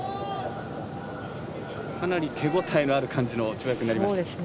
かなり手応えがある感じの跳躍となりました。